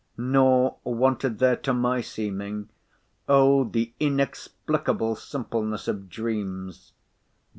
Nor wanted there to my seeming—O the inexplicable simpleness of dreams!